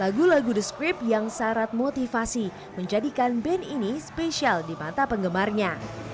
lagu lagu the script yang syarat motivasi menjadikan band ini spesial di mata penggemarnya